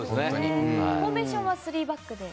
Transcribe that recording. フォーメーションは３バックで？